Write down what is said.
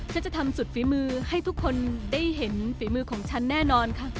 จะทำสุดฝีมือให้ทุกคนได้เห็นฝีมือของฉันแน่นอนค่ะ